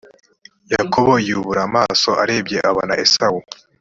yakobo yubura amaso arebye abona esawu